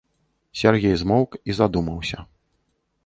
Сяргей змоўк і задумаўся.